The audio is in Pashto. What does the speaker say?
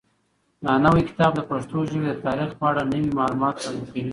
دا نوی کتاب د پښتو ژبې د تاریخ په اړه نوي معلومات وړاندې کوي.